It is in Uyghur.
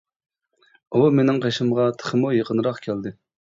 ئۇ مېنىڭ قېشىمغا تېخىمۇ يېقىنراق كەلدى.